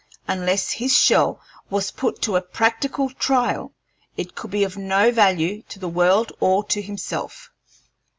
Unless his shell was put to a practical trial, it could be of no value to the world or to himself.